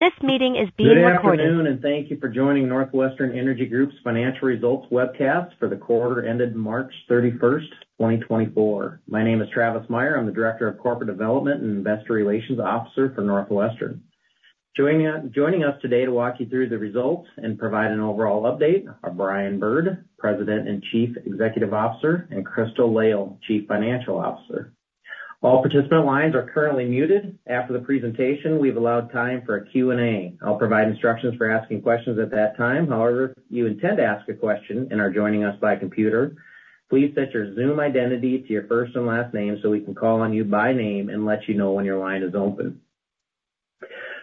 This meeting is being recorded. Good afternoon and thank you for joining NorthWestern Energy Group's Financial Results webcast for the quarter ended March 31st, 2024. My name is Travis Meyer. I'm the Director of Corporate Development and Investor Relations Officer for NorthWestern. Joining us today to walk you through the results and provide an overall update are Brian Bird, President and Chief Executive Officer, and Crystal Lail, Chief Financial Officer. All participant lines are currently muted. After the presentation, we've allowed time for a Q&A. I'll provide instructions for asking questions at that time. However, if you intend to ask a question and are joining us by computer, please set your Zoom identity to your first and last name so we can call on you by name and let you know when your line is open.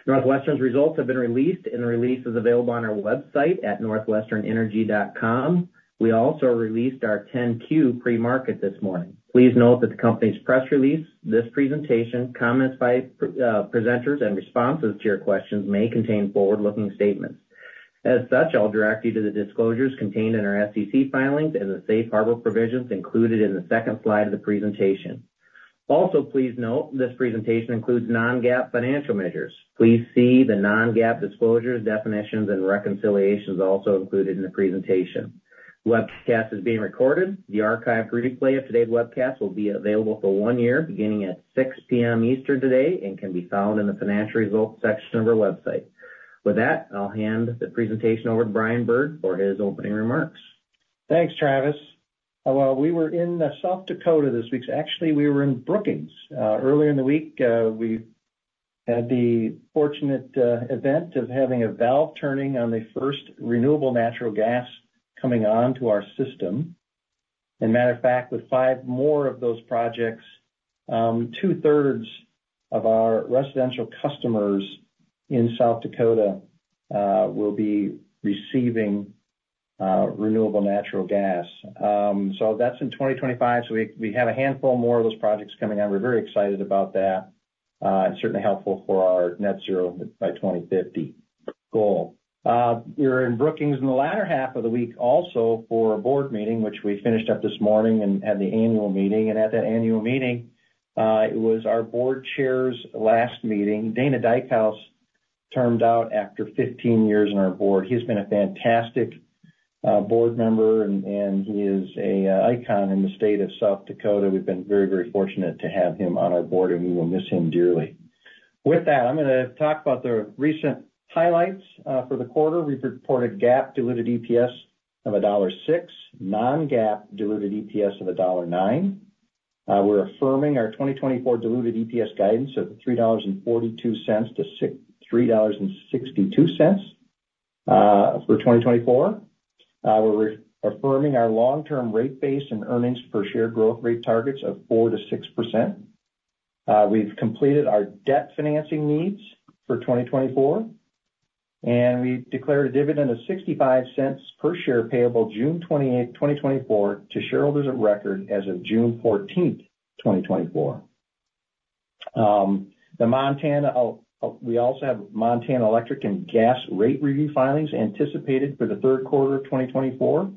NorthWestern's results have been released, and the release is available on our website at northwesternenergy.com. We also released our 10-Q pre-market this morning. Please note that the company's press release, this presentation, comments by presenters, and responses to your questions may contain forward-looking statements. As such, I'll direct you to the disclosures contained in our SEC filings and the safe harbor provisions included in the second slide of the presentation. Also, please note this presentation includes non-GAAP financial measures. Please see the non-GAAP disclosures, definitions, and reconciliations also included in the presentation. Webcast is being recorded. The archived replay of today's webcast will be available for one year beginning at 6:00 P.M. Eastern today and can be found in the Financial Results section of our website. With that, I'll hand the presentation over to Brian Bird for his opening remarks. Thanks, Travis. Well, we were in South Dakota this week. Actually, we were in Brookings. Earlier in the week, we had the fortunate event of having a valve turning on the first renewable natural gas coming on to our system. And matter of fact, with five more of those projects, two-thirds of our residential customers in South Dakota will be receiving renewable natural gas. So that's in 2025. So we have a handful more of those projects coming on. We're very excited about that and certainly helpful for our net zero by 2050 goal. We were in Brookings in the latter half of the week also for a board meeting, which we finished up this morning and had the annual meeting. And at that annual meeting, it was our board chair's last meeting. Dana Dykhouse termed out after 15 years in our board. He's been a fantastic board member, and he is an icon in the state of South Dakota. We've been very, very fortunate to have him on our board, and we will miss him dearly. With that, I'm going to talk about the recent highlights for the quarter. We've reported GAAP diluted EPS of $1.06, non-GAAP diluted EPS of $1.09. We're affirming our 2024 diluted EPS guidance of $3.42-$3.62 for 2024. We're affirming our long-term rate base and earnings per share growth rate targets of 4%-6%. We've completed our debt financing needs for 2024, and we declared a dividend of $0.65 per share payable June 28th, 2024, to shareholders of record as of June 14th, 2024. We also have Montana Electric and Gas rate review filings anticipated for the third quarter of 2024.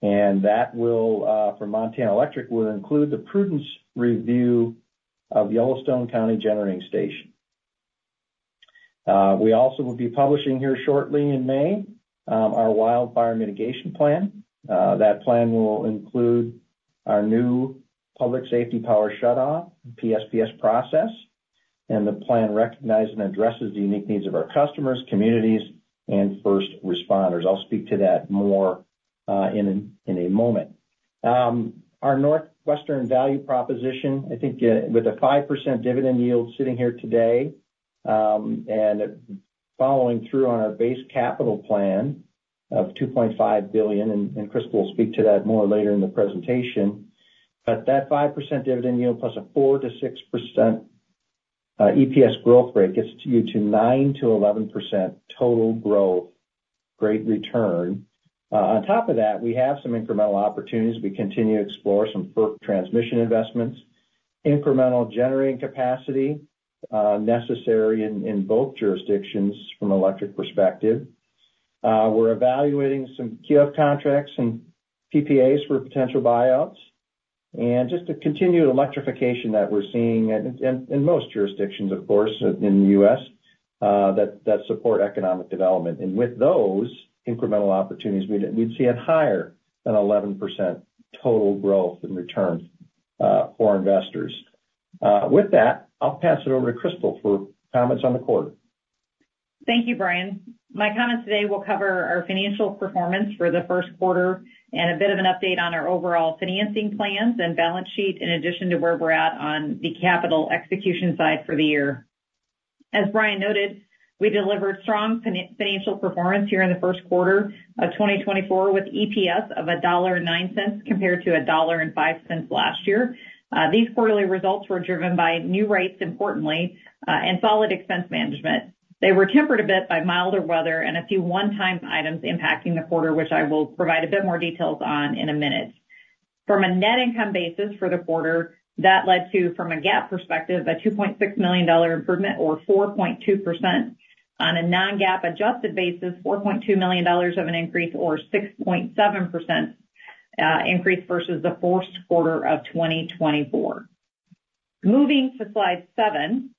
That will, for Montana Electric, will include the prudence review of Yellowstone County Generating Station. We also will be publishing here shortly in May our Wildfire Mitigation Plan. That plan will include our new Public Safety Power Shutoff, PSPS process, and the plan recognizes and addresses the unique needs of our customers, communities, and first responders. I'll speak to that more in a moment. Our NorthWestern value proposition, I think with a 5% dividend yield sitting here today and following through on our base capital plan of $2.5 billion - and Crystal will speak to that more later in the presentation - but that 5% dividend yield plus a 4%-6% EPS growth rate gets you to 9%-11% total growth, great return. On top of that, we have some incremental opportunities. We continue to explore some FERC transmission investments, incremental generating capacity necessary in both jurisdictions from an electric perspective. We're evaluating some QF contracts and PPAs for potential buyouts and just a continued electrification that we're seeing in most jurisdictions, of course, in the U.S. that support economic development. With those incremental opportunities, we'd see a higher than 11% total growth and return for investors. With that, I'll pass it over to Crystal for comments on the quarter. Thank you, Brian. My comments today will cover our financial performance for the first quarter and a bit of an update on our overall financing plans and balance sheet in addition to where we're at on the capital execution side for the year. As Brian noted, we delivered strong financial performance here in the first quarter of 2024 with EPS of $1.09 compared to $1.05 last year. These quarterly results were driven by new rates, importantly, and solid expense management. They were tempered a bit by milder weather and a few one-time items impacting the quarter, which I will provide a bit more details on in a minute. From a net income basis for the quarter, that led to, from a GAAP perspective, a $2.6 million improvement or 4.2%. On a non-GAAP adjusted basis, $4.2 million of an increase or 6.7% increase versus the fourth quarter of 2024. Moving to slide seven,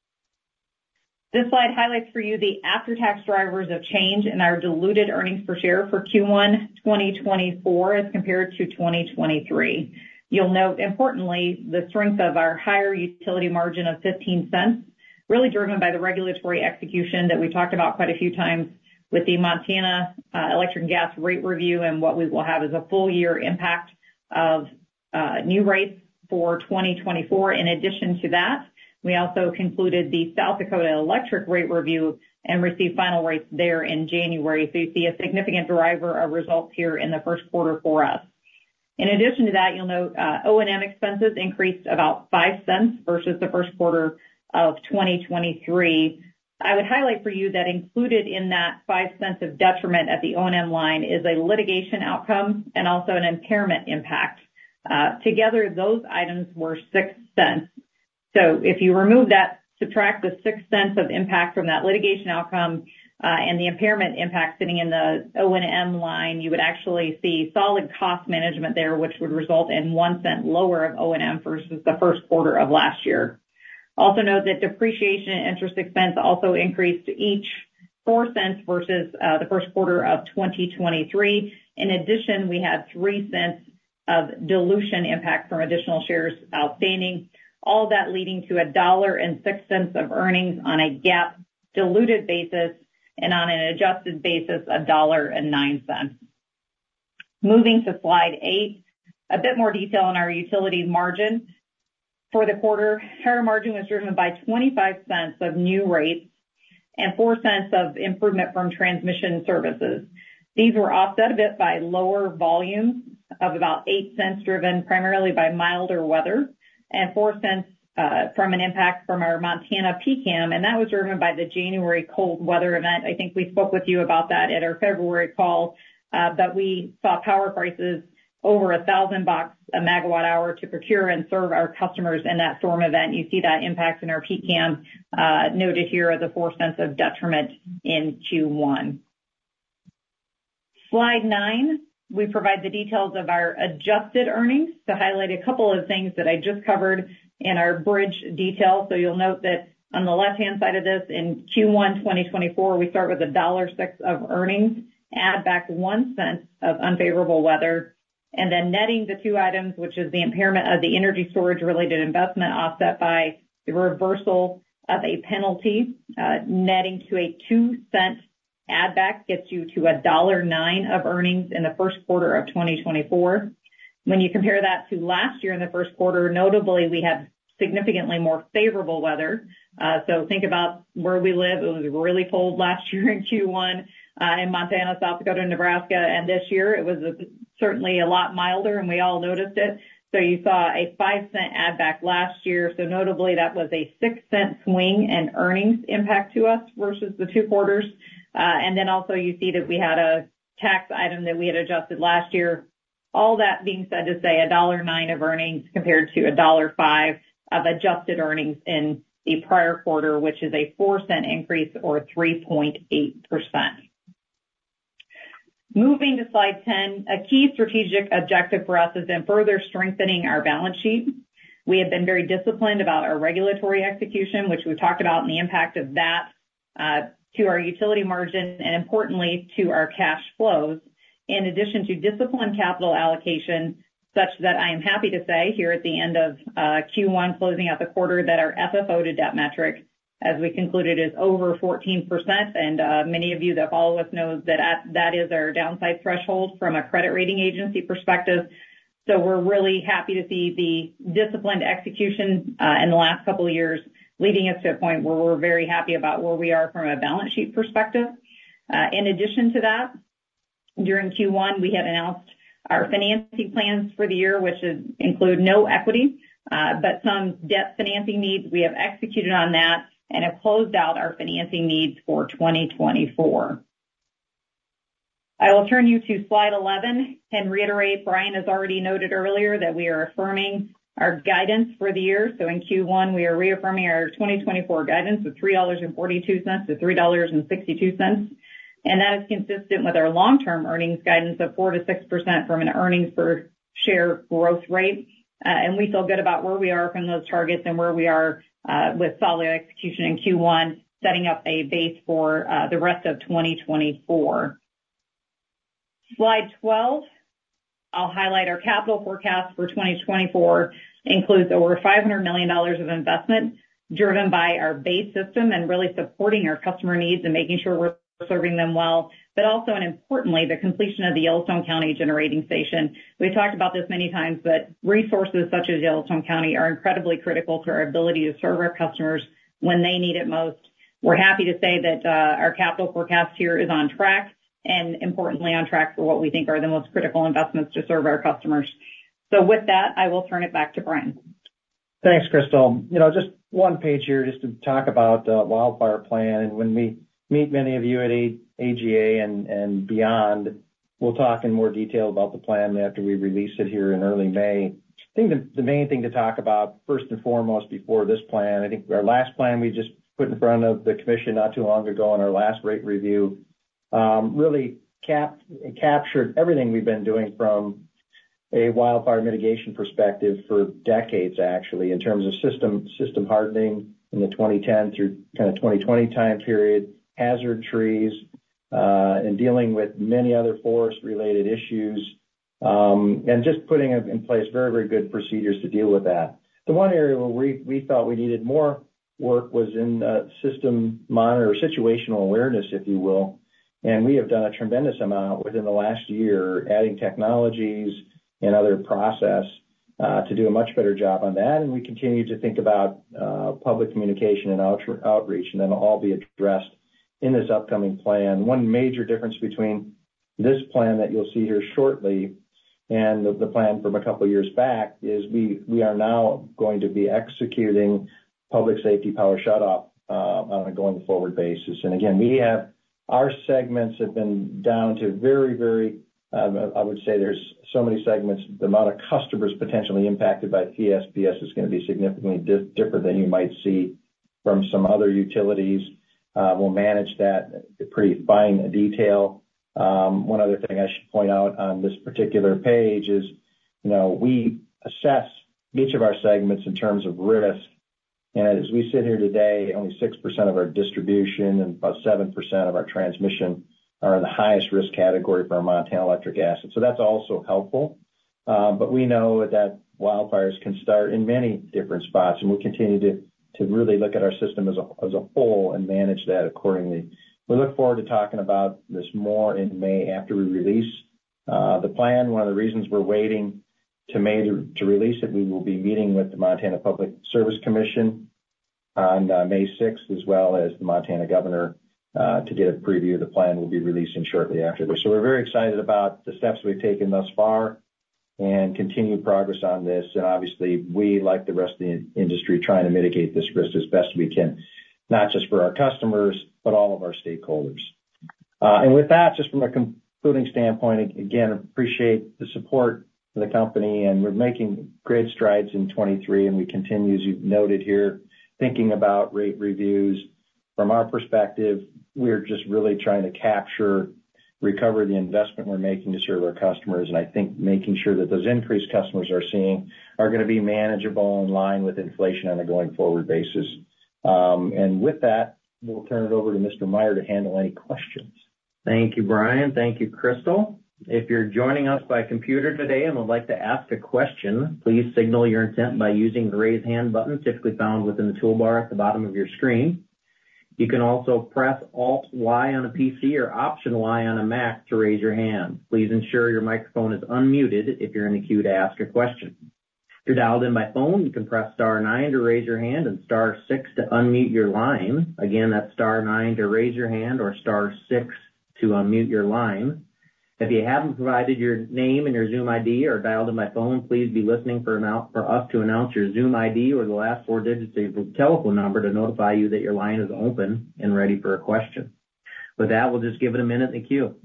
this slide highlights for you the after-tax drivers of change in our diluted earnings per share for Q1 2024 as compared to 2023. You'll note, importantly, the strength of our higher utility margin of $0.15, really driven by the regulatory execution that we talked about quite a few times with the Montana Electric and Gas rate review and what we will have as a full-year impact of new rates for 2024. In addition to that, we also concluded the South Dakota Electric rate review and received final rates there in January. So you see a significant driver of results here in the first quarter for us. In addition to that, you'll note O&M expenses increased about $0.05 versus the first quarter of 2023. I would highlight for you that included in that $0.05 of detriment at the O&M line is a litigation outcome and also an impairment impact. Together, those items were $0.06. So if you remove that, subtract the $0.06 of impact from that litigation outcome and the impairment impact sitting in the O&M line, you would actually see solid cost management there, which would result in $0.01 lower of O&M versus the first quarter of last year. Also note that depreciation and interest expense also increased each $0.04 versus the first quarter of 2023. In addition, we had $0.03 of dilution impact from additional shares outstanding, all of that leading to $1.06 of earnings on a GAAP diluted basis and on an adjusted basis, $1.09. Moving to slide eight, a bit more detail on our utility margin for the quarter. Higher margin was driven by $0.25 of new rates and $0.04 of improvement from transmission services. These were offset a bit by lower volume of about $0.08 driven primarily by milder weather and $0.04 from an impact from our Montana PCAM. That was driven by the January cold weather event. I think we spoke with you about that at our February call. We saw power prices over $1,000/MWh to procure and serve our customers in that storm event. You see that impact in our PCAM noted here as $0.04 of detriment in Q1. Slide nine, we provide the details of our adjusted earnings to highlight a couple of things that I just covered in our bridge detail. So you'll note that on the left-hand side of this, in Q1 2024, we start with $1.06 of earnings, add back $0.01 of unfavorable weather, and then netting the two items, which is the impairment of the energy storage-related investment offset by the reversal of a penalty. Netting to a $0.02 add-back gets you to $1.09 of earnings in the first quarter of 2024. When you compare that to last year in the first quarter, notably, we had significantly more favorable weather. So think about where we live. It was really cold last year in Q1 in Montana, South Dakota, and Nebraska. And this year, it was certainly a lot milder, and we all noticed it. So you saw a $0.05 add-back last year. So notably, that was a $0.06 swing in earnings impact to us versus the two quarters. And then also, you see that we had a tax item that we had adjusted last year. All that being said to say, $1.09 of earnings compared to $1.05 of adjusted earnings in the prior quarter, which is a $0.04 increase or 3.8%. Moving to slide 10, a key strategic objective for us has been further strengthening our balance sheet. We have been very disciplined about our regulatory execution, which we've talked about and the impact of that to our utility margin and, importantly, to our cash flows. In addition to discipline capital allocation such that I am happy to say here at the end of Q1, closing out the quarter, that our FFO to debt metric, as we concluded, is over 14%. And many of you that follow us know that that is our downside threshold from a credit rating agency perspective. So we're really happy to see the disciplined execution in the last couple of years leading us to a point where we're very happy about where we are from a balance sheet perspective. In addition to that, during Q1, we had announced our financing plans for the year, which include no equity but some debt financing needs. We have executed on that and have closed out our financing needs for 2024. I will turn you to slide 11 and reiterate, Brian has already noted earlier that we are affirming our guidance for the year. So in Q1, we are reaffirming our 2024 guidance of $3.42-$3.62. And that is consistent with our long-term earnings guidance of 4%-6% from an earnings per share growth rate. We feel good about where we are from those targets and where we are with solid execution in Q1, setting up a base for the rest of 2024. Slide 12, I'll highlight our capital forecast for 2024. It includes over $500 million of investment driven by our base system and really supporting our customer needs and making sure we're serving them well, but also and importantly, the completion of the Yellowstone County Generating Station. We've talked about this many times, but resources such as Yellowstone County are incredibly critical to our ability to serve our customers when they need it most. We're happy to say that our capital forecast here is on track and, importantly, on track for what we think are the most critical investments to serve our customers. With that, I will turn it back to Brian. Thanks, Crystal. Just one page here just to talk about the Wildfire Plan. When we meet many of you at AGA and beyond, we'll talk in more detail about the plan after we release it here in early May. I think the main thing to talk about first and foremost before this plan, I think our last plan we just put in front of the commission not too long ago in our last rate review really captured everything we've been doing from a wildfire mitigation perspective for decades, actually, in terms of system hardening in the 2010 through kind of 2020 time period, hazard trees, and dealing with many other forest-related issues, and just putting in place very, very good procedures to deal with that. The one area where we thought we needed more work was in system monitor or situational awareness, if you will. We have done a tremendous amount within the last year, adding technologies and other process to do a much better job on that. We continue to think about public communication and outreach, and that'll all be addressed in this upcoming plan. One major difference between this plan that you'll see here shortly and the plan from a couple of years back is we are now going to be executing Public Safety Power Shutoff on a going forward basis. Again, our segments have been down to very, very I would say there's so many segments. The amount of customers potentially impacted by PSPS is going to be significantly different than you might see from some other utilities. We'll manage that pretty fine detail. One other thing I should point out on this particular page is we assess each of our segments in terms of risk. As we sit here today, only 6% of our distribution and about 7% of our transmission are in the highest risk category for our Montana Electric assets. So that's also helpful. But we know that wildfires can start in many different spots. We continue to really look at our system as a whole and manage that accordingly. We look forward to talking about this more in May after we release the plan. One of the reasons we're waiting to release it, we will be meeting with the Montana Public Service Commission on 6 May as well as the Montana Governor to get a preview. The plan will be releasing shortly after this. We're very excited about the steps we've taken thus far and continued progress on this. Obviously, we like the rest of the industry trying to mitigate this risk as best we can, not just for our customers but all of our stakeholders. With that, just from a concluding standpoint, again, appreciate the support for the company. We're making great strides in 2023, and we continue, as you've noted here, thinking about rate reviews. From our perspective, we're just really trying to capture, recover the investment we're making to serve our customers. I think making sure that those increased customers we're seeing are going to be manageable in line with inflation on a going forward basis. With that, we'll turn it over to Mr. Meyer to handle any questions. Thank you, Brian. Thank you, Crystal. If you're joining us by computer today and would like to ask a question, please signal your intent by using the raise hand button typically found within the toolbar at the bottom of your screen. You can also press Alt + Y on a PC or Option + Y on a Mac to raise your hand. Please ensure your microphone is unmuted if you're in a queue to ask a question. If you're dialed in by phone, you can press star nine to raise your hand and star six to unmute your line. Again, that's star nine to raise your hand or star six to unmute your line. If you haven't provided your name and your Zoom ID or dialed in by phone, please be listening for us to announce your Zoom ID or the last four digits of your telephone number to notify you that your line is open and ready for a question. With that, we'll just give it a minute in the queue.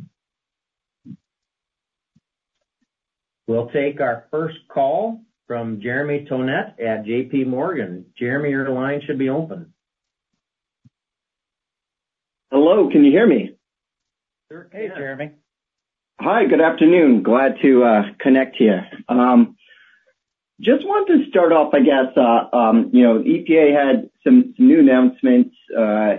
We'll take our first call from Jeremy Tonet at JPMorgan. Jeremy, your line should be open. Hello. Can you hear me? Hey, Jeremy. Hi. Good afternoon. Glad to connect here. Just wanted to start off, I guess. The EPA had some new announcements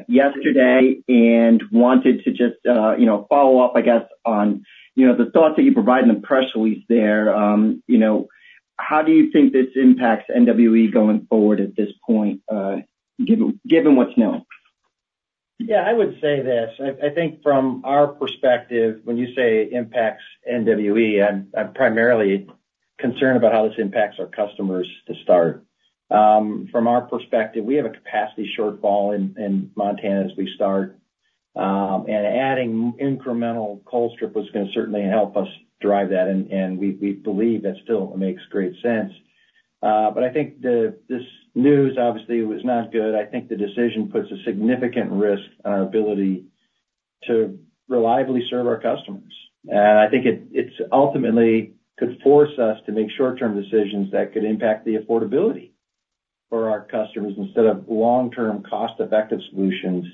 yesterday and wanted to just follow up, I guess, on the thoughts that you provided and the press release there. How do you think this impacts NWE going forward at this point, given what's known? Yeah. I would say this. I think from our perspective, when you say it impacts NWE, I'm primarily concerned about how this impacts our customers to start. From our perspective, we have a capacity shortfall in Montana as we start. And adding incremental Colstrip was going to certainly help us drive that. And we believe that still makes great sense. But I think this news, obviously, was not good. I think the decision puts a significant risk on our ability to reliably serve our customers. And I think it ultimately could force us to make short-term decisions that could impact the affordability for our customers instead of long-term cost-effective solutions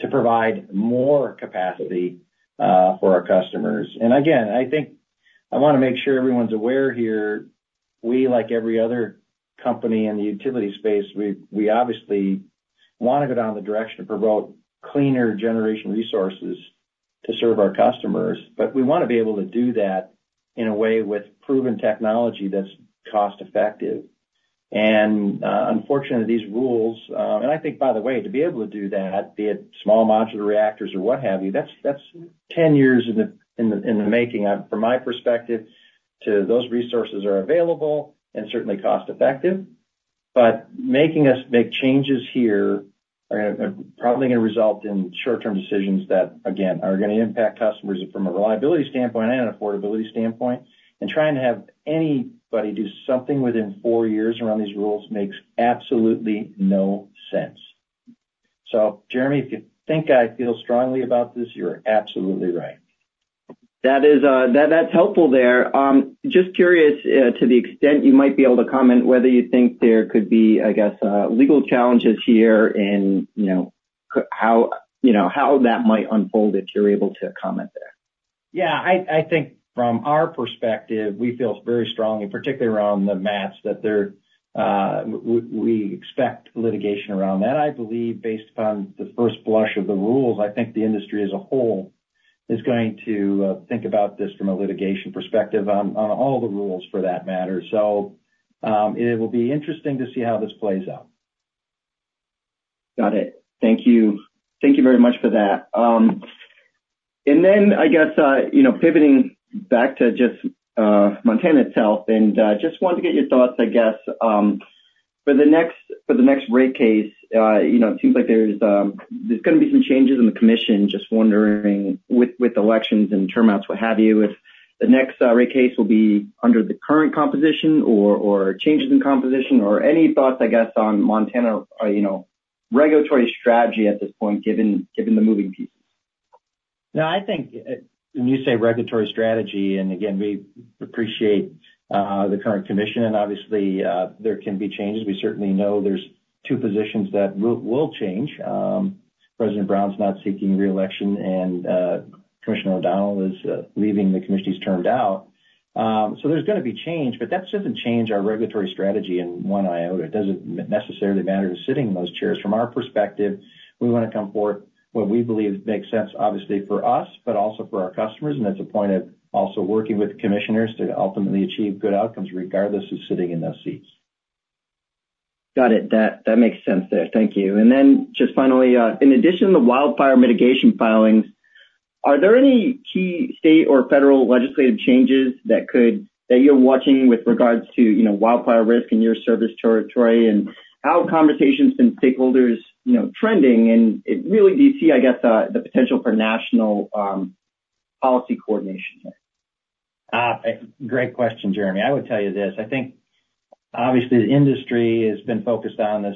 to provide more capacity for our customers. And again, I think I want to make sure everyone's aware here. We, like every other company in the utility space, we obviously want to go down the direction of promoting cleaner generation resources to serve our customers. But we want to be able to do that in a way with proven technology that's cost-effective. And unfortunately, these rules and I think, by the way, to be able to do that, be it small modular reactors or what have you, that's 10 years in the making. From my perspective, those resources are available and certainly cost-effective. But making us make changes here are probably going to result in short-term decisions that, again, are going to impact customers from a reliability standpoint and an affordability standpoint. And trying to have anybody do something within four years around these rules makes absolutely no sense. So Jeremy, if you think I feel strongly about this, you're absolutely right. That's helpful there. Just curious to the extent you might be able to comment whether you think there could be, I guess, legal challenges here and how that might unfold if you're able to comment there? Yeah. I think from our perspective, we feel very strongly, particularly around the MATS, that we expect litigation around that. I believe, based upon the first blush of the rules, I think the industry as a whole is going to think about this from a litigation perspective on all the rules, for that matter. So it will be interesting to see how this plays out. Got it. Thank you. Thank you very much for that. And then, I guess, pivoting back to just Montana itself and just wanted to get your thoughts, I guess. For the next rate case, it seems like there's going to be some changes in the commission. Just wondering, with elections and term outs, what have you, if the next rate case will be under the current composition or changes in composition or any thoughts, I guess, on Montana regulatory strategy at this point, given the moving pieces? Now, I think when you say regulatory strategy, and again, we appreciate the current commission. And obviously, there can be changes. We certainly know there's two positions that will change. President Brown's not seeking reelection, and Commissioner O'Donnell is leaving. The commission's termed out. So there's going to be change. But that doesn't change our regulatory strategy in one iota. It doesn't necessarily matter who's sitting in those chairs. From our perspective, we want to come forth what we believe makes sense, obviously, for us but also for our customers. And that's also a point of working with commissioners to ultimately achieve good outcomes regardless of who's sitting in those seats. Got it. That makes sense there. Thank you. And then just finally, in addition to the wildfire mitigation filings, are there any key state or federal legislative changes that you're watching with regards to wildfire risk in your service territory and how conversations between stakeholders are trending? And really, do you see, I guess, the potential for national policy coordination here? Great question, Jeremy. I would tell you this. I think, obviously, the industry has been focused on this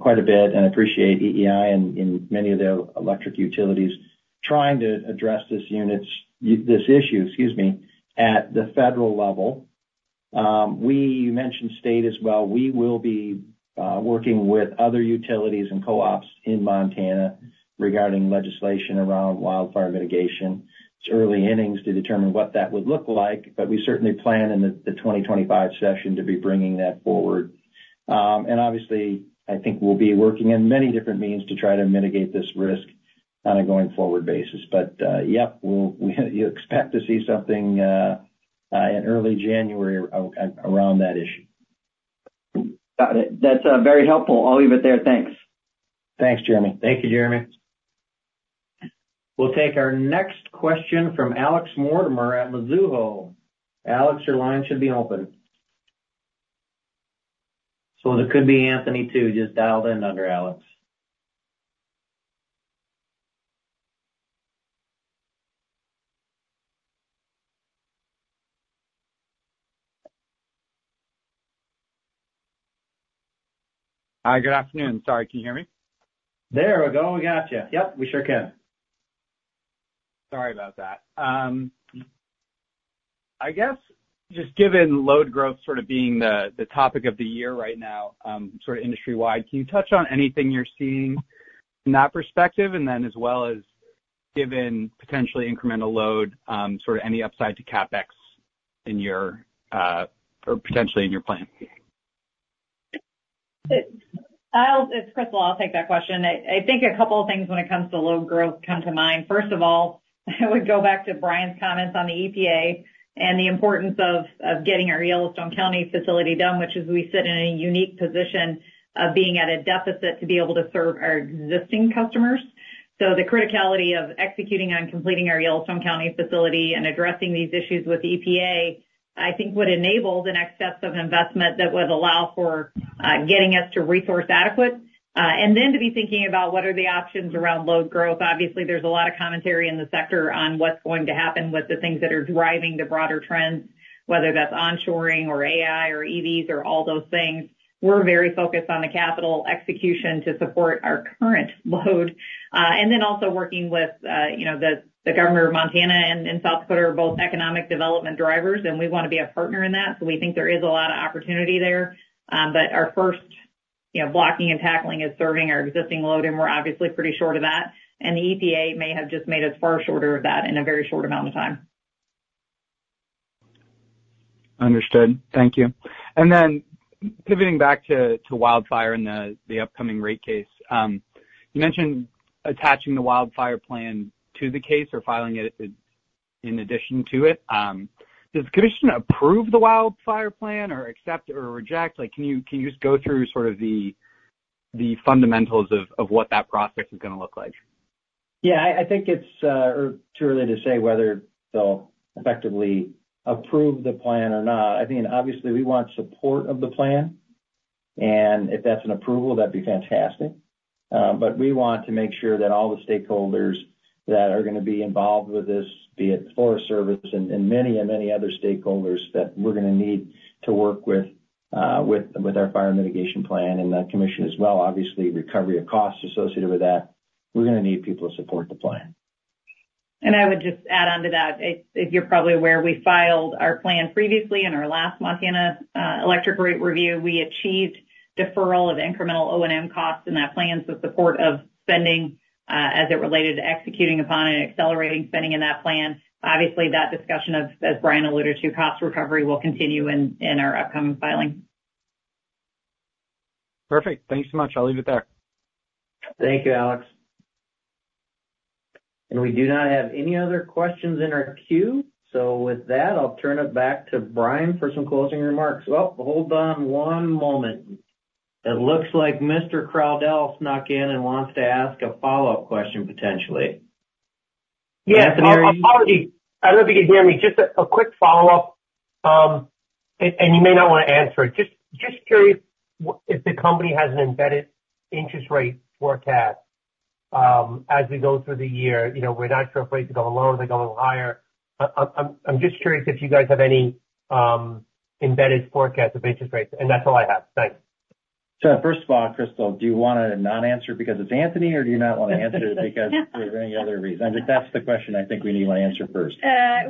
quite a bit and appreciate EEI and many of their electric utilities trying to address this issue, excuse me, at the federal level. You mentioned state as well. We will be working with other utilities and co-ops in Montana regarding legislation around wildfire mitigation. It's early innings to determine what that would look like. But we certainly plan in the 2025 session to be bringing that forward. And obviously, I think we'll be working in many different means to try to mitigate this risk on a going forward basis. But yep, you expect to see something in early January around that issue. Got it. That's very helpful. I'll leave it there. Thanks. Thanks, Jeremy. Thank you, Jeremy. We'll take our next question from Alex Mortimer at Mizuho. Alex, your line should be open. So there could be Anthony too, just dialed in under Alex. Hi. Good afternoon. Sorry. Can you hear me? There we go. We got you. Yep, we sure can. Sorry about that. I guess just given load growth sort of being the topic of the year right now, sort of industry-wide, can you touch on anything you're seeing in that perspective and then as well as given potentially incremental load, sort of any upside to CapEx potentially in your plan? It's Crystal. I'll take that question. I think a couple of things when it comes to load growth come to mind. First of all, I would go back to Brian's comments on the EPA and the importance of getting our Yellowstone County facility done, which is we sit in a unique position of being at a deficit to be able to serve our existing customers. So the criticality of executing on completing our Yellowstone County facility and addressing these issues with the EPA, I think, would enable the next steps of investment that would allow for getting us to resource adequate. And then to be thinking about what are the options around load growth. Obviously, there's a lot of commentary in the sector on what's going to happen with the things that are driving the broader trends, whether that's onshoring or AI or EVs or all those things. We're very focused on the capital execution to support our current load. Then also working with the Governor of Montana and South Dakota are both economic development drivers. We want to be a partner in that. So we think there is a lot of opportunity there. But our first blocking and tackling is serving our existing load. We're obviously pretty short of that. And the EPA may have just made us far shorter of that in a very short amount of time. Understood. Thank you. And then pivoting back to wildfire and the upcoming rate case, you mentioned attaching the Wildfire Plan to the case or filing it in addition to it. Does the commission approve the Wildfire Plan or accept or reject? Can you just go through sort of the fundamentals of what that process is going to look like? Yeah. I think it's too early to say whether they'll effectively approve the plan or not. I mean, obviously, we want support of the plan. And if that's an approval, that'd be fantastic. But we want to make sure that all the stakeholders that are going to be involved with this, be it the Forest Service and many, many other stakeholders that we're going to need to work with our fire mitigation plan and the commission as well, obviously, recovery of costs associated with that, we're going to need people to support the plan. I would just add on to that. As you're probably aware, we filed our plan previously in our last Montana electric rate review. We achieved deferral of incremental O&M costs in that plan to support of spending as it related to executing upon and accelerating spending in that plan. Obviously, that discussion, as Brian alluded to, cost recovery will continue in our upcoming filing. Perfect. Thanks so much. I'll leave it there. Thank you, Alex. We do not have any other questions in our queue. With that, I'll turn it back to Brian for some closing remarks. Well, hold on one moment. It looks like Mr. Crowdell snuck in and wants to ask a follow-up question, potentially. Yeah. I don't know if you can hear me. Just a quick follow-up. You may not want to answer it. Just curious if the company has an embedded interest rate forecast as we go through the year. We're not too afraid to go lower. They're going higher. I'm just curious if you guys have any embedded forecasts of interest rates. That's all I have. Thanks. First of all, Crystal, do you want to not answer because it's Anthony, or do you not want to answer because of any other reason? I mean, that's the question I think we need to answer first.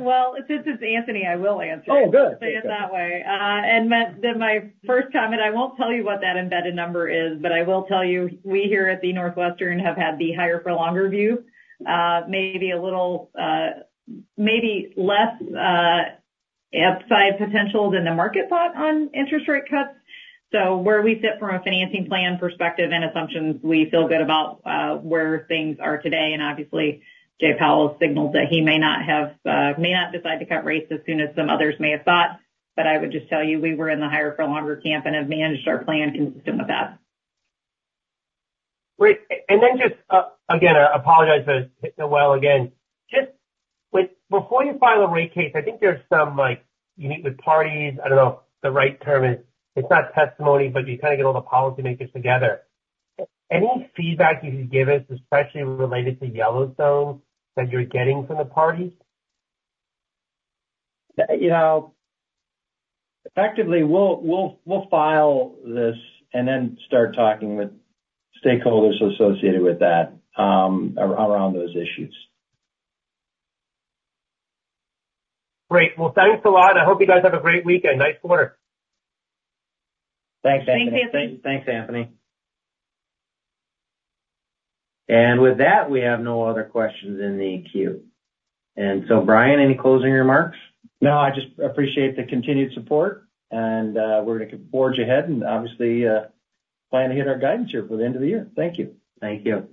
Well, if this is Anthony, I will answer. Oh, good. Say it that way. Then my first comment, I won't tell you what that embedded number is. But I will tell you we here at the NorthWestern have had the higher-for-longer view, maybe a little maybe less upside potential than the market thought on interest rate cuts. So where we sit from a financing plan perspective and assumptions, we feel good about where things are today. And obviously, Jay Powell signaled that he may not decide to cut rates as soon as some others may have thought. But I would just tell you we were in the higher-for-longer camp and have managed our plan consistent with that. Great. And then just, again, I apologize for hitting the well again. Before you file a rate case, I think there's some you meet with parties. I don't know if the right term is. It's not testimony, but you kind of get all the policymakers together. Any feedback you could give us, especially related to Yellowstone, that you're getting from the parties? Effectively, we'll file this and then start talking with stakeholders associated with that around those issues. Great. Well, thanks a lot. I hope you guys have a great weekend. Nice quarter. Thanks, Anthony. Thanks, Anthony. Thanks, Anthony. With that, we have no other questions in the queue. So Brian, any closing remarks? No. I just appreciate the continued support. And we're going to forge ahead and obviously plan to hit our guidance here by the end of the year. Thank you. Thank you.